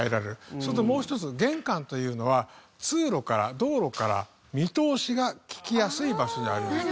それともう１つ玄関というのは通路から道路から見通しが利きやすい場所にあります。